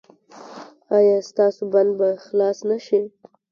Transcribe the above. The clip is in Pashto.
ایا ستاسو بند به خلاص نه شي؟